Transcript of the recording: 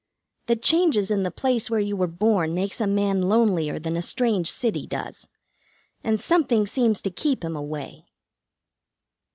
The changes in the place where you were born make a man lonelier than a strange city does, and something seems to keep him away."